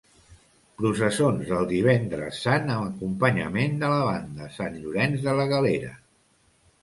Processons del Divendres Sant amb acompanyament de la banda Sant Llorenç de la Galera.